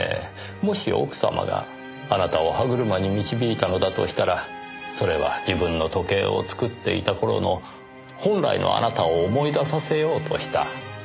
もし奥様があなたを歯車に導いたのだとしたらそれは自分の時計を作っていた頃の本来のあなたを思い出させようとした。